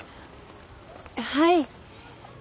はい。